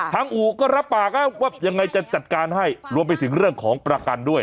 อู่ก็รับปากนะว่ายังไงจะจัดการให้รวมไปถึงเรื่องของประกันด้วย